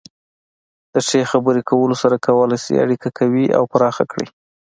د ښې خبرې کولو سره کولی شئ اړیکه قوي او پراخه کړئ.